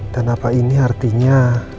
dan apa ini artinya